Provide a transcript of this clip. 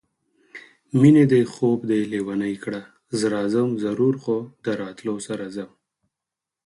مېنې دې خوب دې لېونی کړه زه راځم ضرور خو د راتلو سره ځم